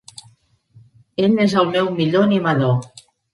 Ell es el meu millor animador.